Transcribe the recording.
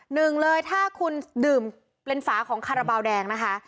หนึ่งเลยถ้าคุณดื่มเป็นฝาของคาราบาลแดงนะคะ